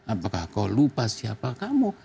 apakah kau lupa siapa kamu